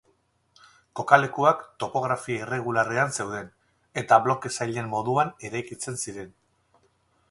Kokalekuak topografia irregularrean zeuden eta bloke-sailen moduan eraikitzen ziren.